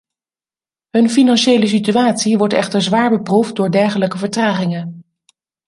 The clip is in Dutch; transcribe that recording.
Hun financiële situatie wordt echter zwaar beproefd door dergelijke vertragingen.